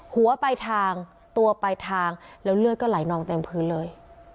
หัวไปทางตัวไปทางแล้วเลือดก็ไหลนองเต็มพื้นเลย